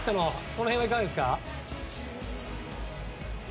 その辺はいかがでしたか？